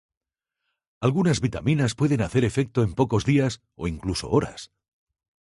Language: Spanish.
Algunas vitaminas puede hacer efecto en pocos días o incluso horas.